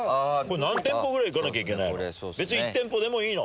何店舗行かなきゃいけないの？